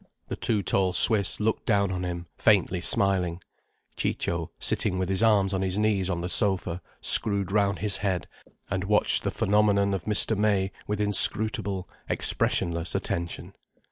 The two tall Swiss looked down on him, faintly smiling. Ciccio, sitting with his arms on his knees on the sofa, screwed round his head and watched the phenomenon of Mr. May with inscrutable, expressionless attention.